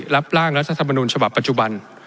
รับร่างรัฐธรรมนุนฉบับปัจจุบัน